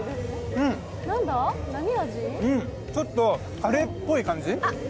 ん、ちょっとカレーっぽい感じ？